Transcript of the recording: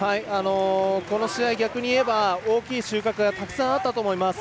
この試合、逆に言えば大きい収穫がたくさんあったと思います。